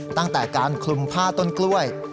ตั้งแต่การคลุมผ้าต้นกล้วย